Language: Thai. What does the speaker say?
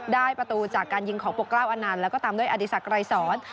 ได้ประตูจากการยิงของปกเกล้าอนันต์แล้วก็ตามด้วยอดีศักดรายสอน